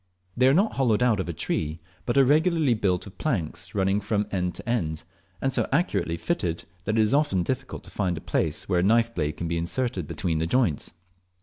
They are not hollowed out of a tree, but are regularly built of planks running from ego to end, and so accurately fitted that it is often difficult to find a place where a knife blade can be inserted between the joints.